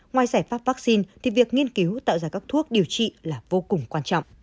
ngoài giải pháp vaccine thì việc nghiên cứu tạo ra các thuốc điều trị là vô cùng quan trọng